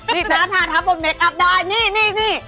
นี่หน้าทาทับบนเมคอัพได้นี่